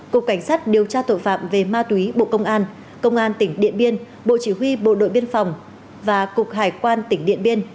cục cảnh sát điều tra tội phạm về ma túy bộ công an công an tỉnh điện biên bộ chỉ huy bộ đội biên phòng và cục hải quan tỉnh điện biên